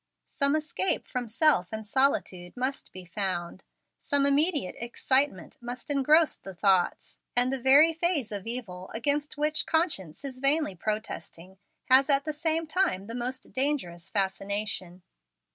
Some escape from self and solitude must be found; some immediate excitement must engross the thoughts; and the very phase of evil against which conscience is vainly protesting has at the same time the most dangerous fascination.